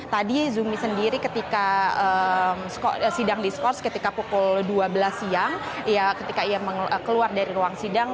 tadi zumi sendiri ketika sidang diskurs ketika pukul dua belas siang ketika ia keluar dari ruang sidang